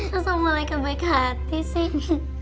masa om malaikat baik hati sih